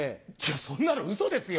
そんなのウソですよ。